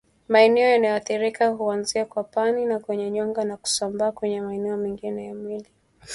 Maeneo yanayoathirika huanzia kwapani na kwenye nyonga na kusambaa maeneo mengine ya mwili